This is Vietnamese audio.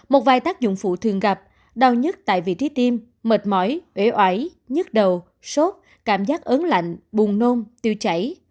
một vài tác dụng phụ thường gặp đau nhất tại vị trí tiêm mệt mỏi ế oảy nhức đầu sốt cảm giác ớn lạnh buồn nôn tiêu chảy